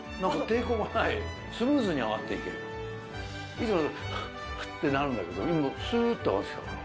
いつもだとハアハアってなるんだけど今スーッと上がってきたから。